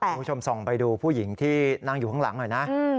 คุณผู้ชมส่องไปดูผู้หญิงที่นั่งอยู่ข้างหลังหน่อยนะ